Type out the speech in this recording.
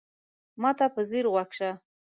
ما ته په ځیر غوږ شه !